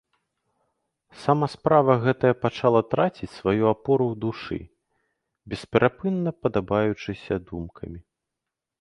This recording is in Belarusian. Сама справа гэтая пачала траціць сваю апору ў душы, бесперапынна падабаючыся думкамі.